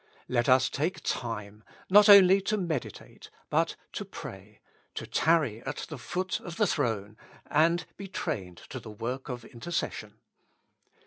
Let us take time, not only to meditate, but to pray, to tarry at the foot of the throne, and be trained to the work of intercession.